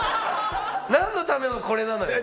何のためのこれなのよ。